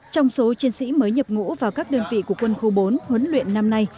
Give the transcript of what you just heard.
trong số chiến sĩ mới nhập ngũ vào các đơn vị của quân khu bốn huấn luyện năm nay